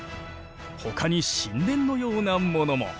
ほかに神殿のようなものも。